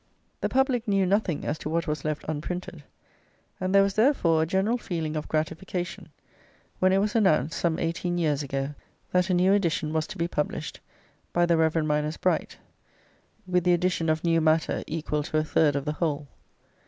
The public knew nothing as to what was left unprinted, and there was therefore a general feeling of gratification when it was announced some eighteen years ago that a new edition was to be published by the Rev. Mynors Bright, with the addition of new matter equal to a third of the whole.